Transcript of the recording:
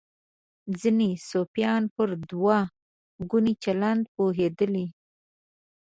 ځینې صوفیان پر دوه ګوني چلند پوهېدلي.